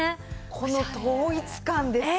この統一感ですよ。